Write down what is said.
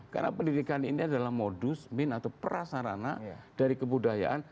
karena pendidikan ini adalah modus min atau prasarana dari kebudayaan